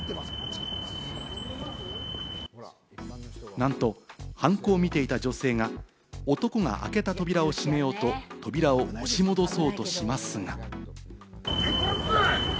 なんと犯行を見ていた女性が男が開けた扉を閉めようと、扉を押し戻そうとしますが。